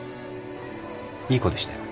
いい子でしたよ。